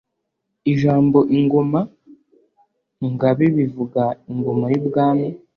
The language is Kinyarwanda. Ijambo Ingoma–Ngabe bivuga “Ingoma y'ubwami “